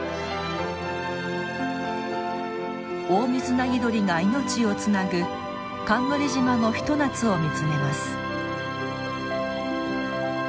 オオミズナギドリが命をつなぐ冠島のひと夏を見つめます。